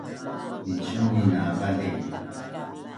Minsuma’in na vali!